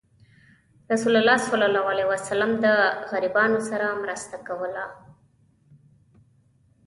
رسول الله صلى الله عليه وسلم د غریبانو سره مرسته کوله.